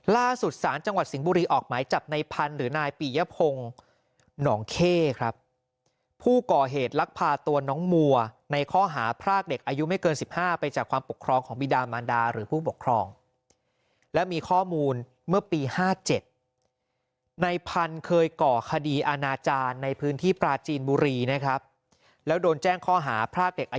ล่าสุดสารจังหวัดสิงห์บุรีออกหมายจับในพันธุ์หรือนายปียพงศ์หนองเข้ครับผู้ก่อเหตุลักพาตัวน้องมัวในข้อหาพรากเด็กอายุไม่เกิน๑๕ไปจากความปกครองของบิดามานดาหรือผู้ปกครองและมีข้อมูลเมื่อปี๕๗ในพันธุ์เคยก่อคดีอาณาจารย์ในพื้นที่ปราจีนบุรีนะครับแล้วโดนแจ้งข้อหาพรากอ